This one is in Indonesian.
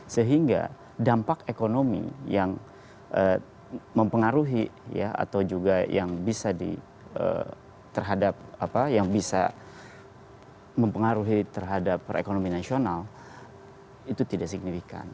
sehingga dampak ekonomi yang mempengaruhi atau juga yang bisa mempengaruhi terhadap perekonomian nasional itu tidak signifikan